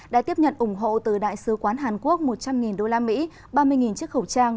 đã tiếp nhận ủng hộ từ đại sứ quán hàn quốc một trăm linh usd ba mươi chiếc khẩu trang